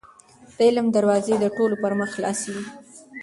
د علم دروازې د ټولو پر مخ خلاصې دي.